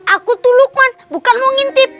aku tuh lukman bukan mau ngintip